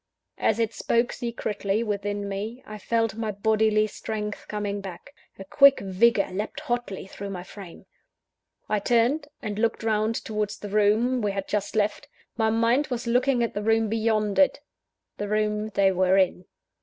As it spoke secretly within me, I felt my bodily strength coming back; a quick vigour leapt hotly through my frame. I turned, and looked round towards the room we had just left my mind was looking at the room beyond it, the room they were in.